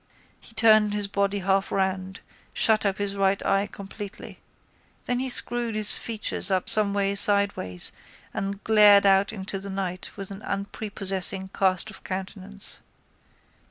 He turned his body half round, shut up his right eye completely. Then he screwed his features up someway sideways and glared out into the night with an unprepossessing cast of countenance.